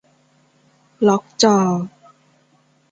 ล็อกจอ